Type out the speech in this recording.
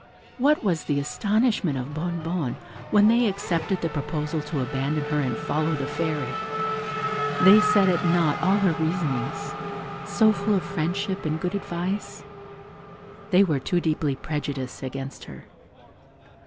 What was the astonishment of Bonnebonne when they accepted the proposal to abandon her and follow the Fairy! They set at nought all her reasonings, so full of friendship and good advice; they were too deeply prejudiced against her.